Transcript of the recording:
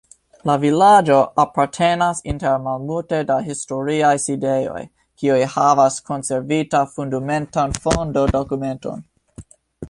La vilaĝo apartenas inter malmulte da historiaj sidejoj, kiuj havas konservita fundamentan fondo-dokumenton.